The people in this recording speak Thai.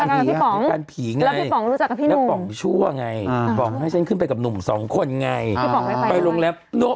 ตั้งแต่สมัยไหนล่ะ